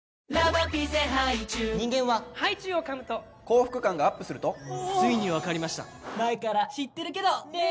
人間はハイチュウをかむと幸福感がＵＰするとついに分かりました前から知ってるけどねー！